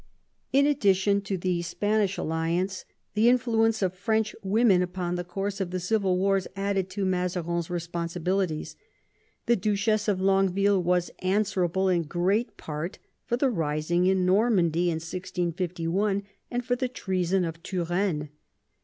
In addition to the Spanish alliance, the influence of French women upon the course of the civil wars added to Mazarin's responsibilities. The Duchess of Longueville was answer able in great part for the rising in Normandy in 1651, and for the treason of Turenne.